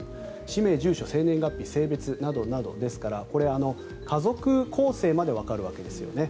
氏名、住所、生年月日性別などなどですからですから、家族構成までわかるわけですよね。